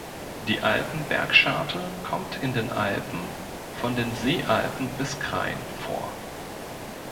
Die Alpen-Bergscharte kommt in den Alpen von den Seealpen bis Krain vor.